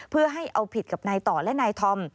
เพื่อให้เอาผิดกับนายต่อและนายธอม